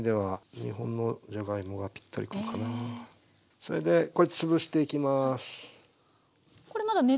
それでこれ潰していきます。